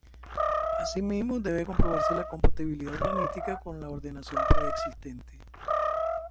Asimismo, debe comprobarse la compatibilidad urbanística con la ordenación pre-existente.